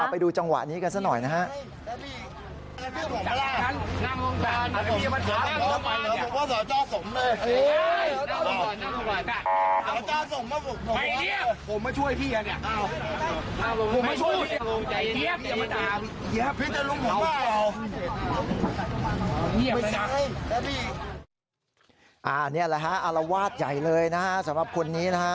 อันนี้แหละฮะอลวาดใหญ่เลยนะฮะสำหรับคนนี้นะฮะ